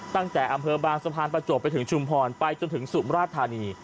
ตั้งแต่อำเภอบางสะพานประจวบไปถึงชุมพรไปจนถึงสุมราชธานี